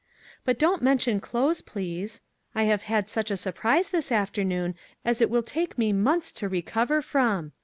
But don't mention clothes, please. I have had such a surprise this afternoon as it will take me months to recover from.